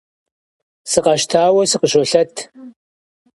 Сыкъэщтауэ сыкъыщолъэт.